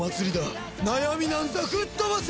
悩みなんざ吹っ飛ばせ！